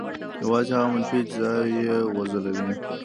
یوازې هغه منفي اجزا یې وځلوي.